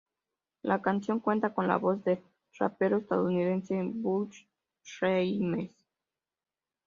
La canción cuenta con la voz del rapero estadounidense Busta Rhymes.